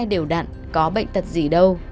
đều đặn có bệnh tật gì đâu